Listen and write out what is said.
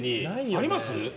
あります？